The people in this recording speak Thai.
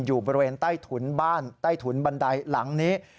อยู่บริเวณใต้ถุนบ้านใต้ถุนบันไดหลังนี้